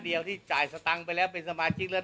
เนื่องจากว่าอยู่ระหว่างการรวมพญาหลักฐานนั่นเองครับ